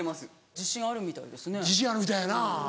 自信あるみたいやな。